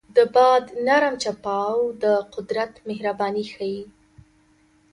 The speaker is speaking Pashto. د باد نرم چپاو د قدرت مهرباني ښيي.